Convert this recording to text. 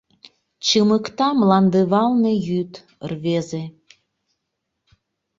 Чымыкта мландывалне йӱд, рвезе.